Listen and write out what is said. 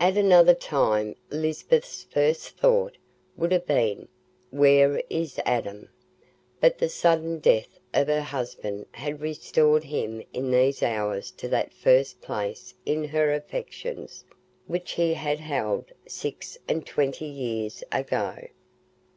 At another time Lisbeth's first thought would have been, "Where is Adam?" but the sudden death of her husband had restored him in these hours to that first place in her affections which he had held six and twenty years ago.